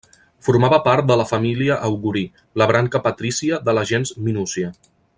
Formava part de la família Augurí, la branca patrícia de la gens Minúcia.